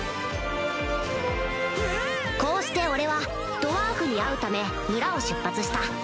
こうして俺はドワーフに会うため村を出発した